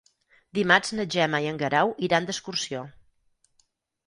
Dimarts na Gemma i en Guerau iran d'excursió.